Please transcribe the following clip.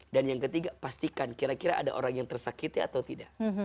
dan yang ketiga pastikan kira kira ada orang yang tersakiti atau tidak